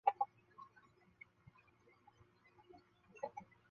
此等学者认为刘勋宁的分区法亦有一定可取之处。